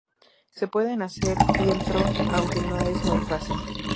Se pueden hacer fieltro aunque no es muy fácil.